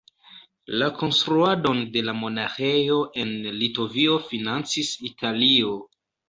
La konstruadon de la monaĥejo en Litovio financis Italio.